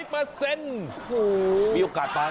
เป็นมีโอกาสไป